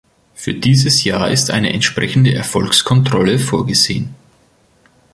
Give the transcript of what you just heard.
Für dieses Jahr ist eine entsprechende Erfolgskontrolle vorgesehen.